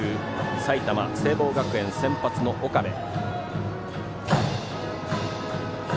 埼玉、聖望学園の先発の岡部。